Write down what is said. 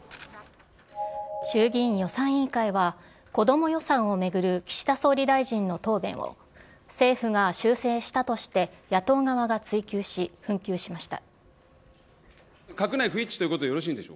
衆議院予算委員会は子供予算を巡る岸田総理大臣の答弁を政府が修正したとして野党側が追及し紛糾しました。